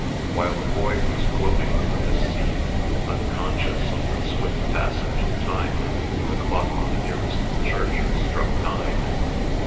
While the boy was gloating over this scene, unconscious of the swift passage of time, the clock on the nearest church struck nine.